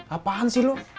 apaan sih lu